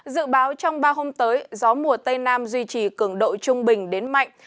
dự báo trong ba hôm tới gió mùa tây nam duy trì cường độ trung bình đến mạnh